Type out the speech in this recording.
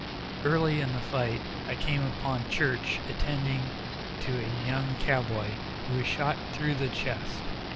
Early in the fight I came upon Church attending to a young cowboy, who was shot through the chest.